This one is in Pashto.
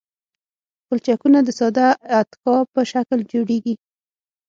پلچکونه د ساده اتکا په شکل جوړیږي